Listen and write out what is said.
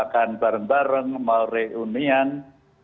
mereka harus berpengalaman mau berpengalaman mau berpengalaman mau berpengalaman